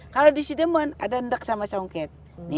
kalau di sidemen ada ndak sama songket